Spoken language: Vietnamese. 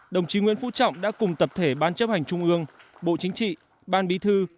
đồng chí nguyễn phú trọng đã cùng tập thể ban chấp hành trung ương bộ chính trị ban bí thư